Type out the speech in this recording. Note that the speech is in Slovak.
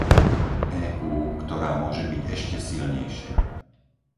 EÚ, ktorá môže byť ešte silnejšia.